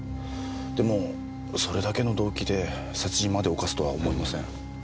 でもそれだけの動機で殺人まで犯すとは思えません。